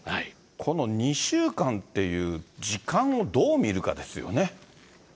この２週間っていう時間をどう見るかですよね。